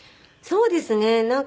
そうですね。